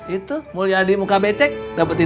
itu mulia di muka becek dapetin tin